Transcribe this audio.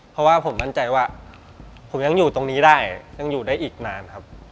เพราะว่าผมมั่นใจว่าผมยังอยู่ตรงนี้ได้ยังอยู่ได้อีกนานครับ